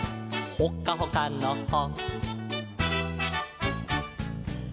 「ほっかほかのほ」